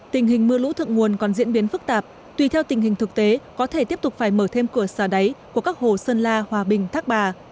tình hình mưa lũ thượng nguồn còn diễn biến phức tạp tuy theo tình hình thực tế có thể tiếp tục phải mở thêm cửa xà đáy của các hồ sơn la hòa bình thác bà